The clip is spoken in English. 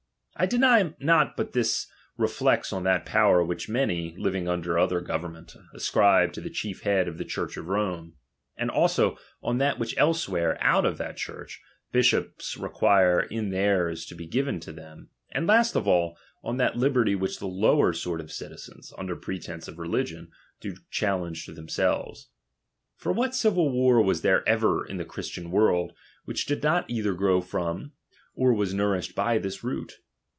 I deny not but this reflects on that power which many, living under other govern ment, ascribe to the chief head of the Church of Rome, and also on that which elsewhere, out of that Church, bishops require in iLeir's to be given to them ; and last of all, on that liberty which the lower sort of citizens, under pretence of religion, do diallenge to themselves. For what civil war was there ever in the ChriBtian world, which did not either grow from, or was nourished hj this root?